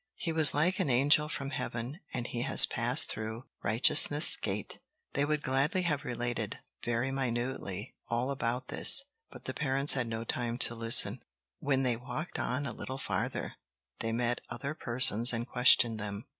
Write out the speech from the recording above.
He was like an angel from heaven, and he has passed through Righteousness' Gate." They would gladly have related, very minutely, all about this, but the parents had no time to listen. When they had walked on a little farther, they met other persons and questioned them.